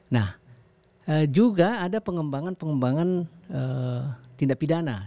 nah juga ada pengembangan pengembangan tindak pidana